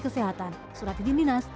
kesehatan surat izin dinas